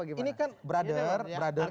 ini kan brother